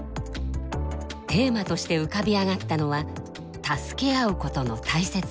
テーマとして浮かび上がったのは「助け合うことの大切さ」。